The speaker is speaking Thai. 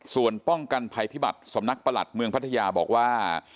ส่วนป้องกันภัยพิบัติสำนักประหลัดเมืองพัทยาบอกว่า